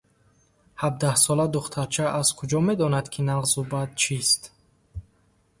Ҳабдаҳсола духтарча аз куҷо медонад, ки нағзу бад чист?